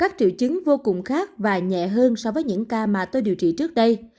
các triệu chứng vô cùng khác và nhẹ hơn so với những ca mà tôi điều trị trước đây